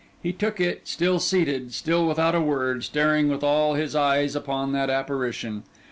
He took it, still seated, still without a word; staring with all his eyes upon that apparition.